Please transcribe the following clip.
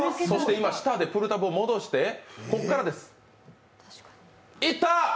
舌でプルタブを戻してここからです、いった！